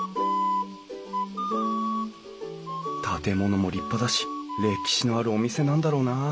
建物も立派だし歴史のあるお店なんだろうなあ。